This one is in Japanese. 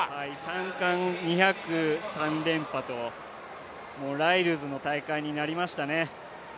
３冠、２００、３連覇とライルズの大会になりましたね。